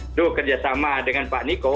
itu kerjasama dengan pak niko